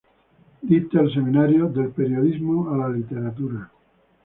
Dicta el seminario "Del periodismo a la literatura".